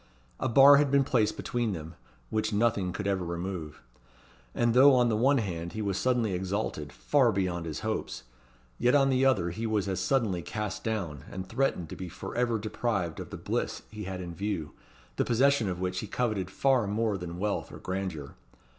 A bar had been placed between them, which nothing could ever remove. And though, on the one hand, he was suddenly exalted far beyond his hopes; yet on the other he was as suddenly cast down, and threatened to be for ever deprived of the bliss he had in view, the possession of which he coveted far more than wealth or grandeur.